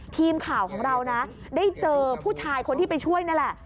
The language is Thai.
ทีมข่าวของเรานะได้เจอผู้ชายคนที่ไปช่วยนั่นแหละ